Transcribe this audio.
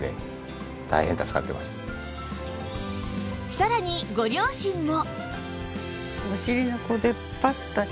さらにご両親も